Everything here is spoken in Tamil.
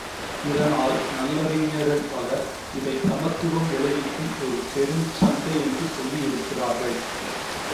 இதனால் நல்லறிஞர்கள் பலர், இதைச் சமத்துவம் விளைவிக்கும் ஒரு பெருஞ் சந்தை என்று சொல்லியிருக்கிறார்கள்.